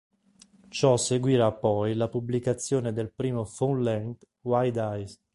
Ciò seguirà poi la pubblicazione del primo full-lenght, "Wide Eyes".